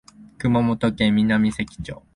熊本県南関町